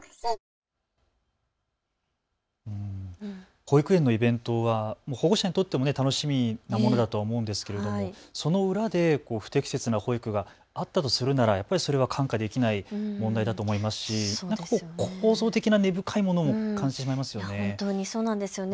保育園のイベントは保護者にとっても楽しみなものだと思うんですけど、その裏で不適切な保育があったとするならやっぱりそれは看過できない問題だと思いますし根深いものも感じますよね。